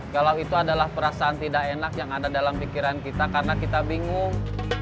kalau itu adalah perasaan tidak enak yang ada dalam pikiran kita karena kita bingung